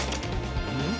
うん？